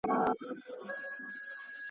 خوار پر لاهور هم خوار وي ,